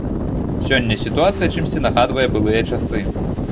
Сёння сітуацыя чымсьці нагадвае былыя часы.